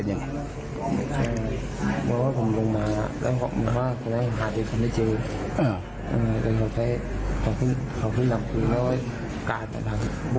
แต่ก็ถึงว่าการนำบุคคล